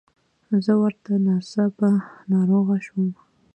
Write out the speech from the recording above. زه ورته ناڅاپه ناروغه شوم.